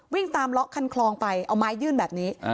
วิ่งตามเลาะคันคลองไปเอาไม้ยื่นแบบนี้